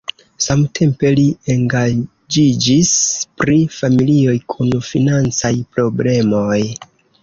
Samtempe li engaĝiĝis pri familioj kun financaj problemoj.